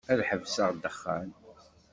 Ad ḥebseɣ ddexxan.